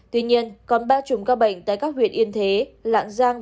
tuy nhiên còn ba chúng các bệnh tại các huyện yên thế lạng giang